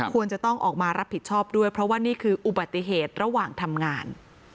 ควรจะต้องออกมารับผิดชอบด้วยเพราะว่านี่คืออุบัติเหตุระหว่างทำงาน